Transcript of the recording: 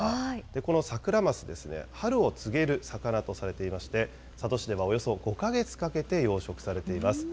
このサクラマス、春を告げる魚とされていまして、佐渡市ではおよそ５か月かけて養殖されています。